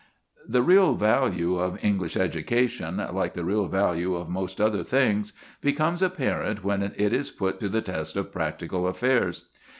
The real value of English education, like the real value of most other things, becomes apparent when it is put to the test of practical affairs.